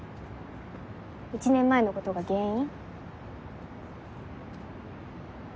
１年前のことが原因？